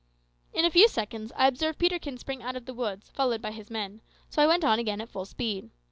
In a few seconds I observed Peterkin spring out of the woods, followed by his men, so I went on again at full speed.